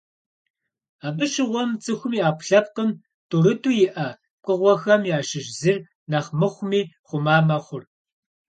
Абы щыгъуэм, цӏыхум и ӏэпкълъпкъым тӏурытӏу иӏэ пкъыгъуэхэм ящыщ зыр нэхъ мыхъуми, хъума мэхъур.